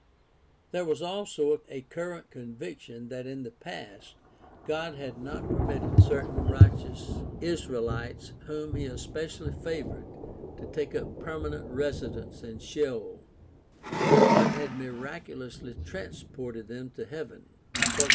There was also a current conviction that in the past God had not permitted certain righteous Israehtes whom he especially favored to take up permanent residence in Sheol, but had miraculously transported them to heaven (e.g.